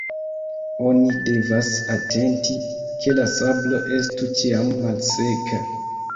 Oni devas atenti, ke la sablo estu ĉiam malseka.